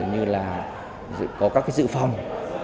như là có các cái dự phòng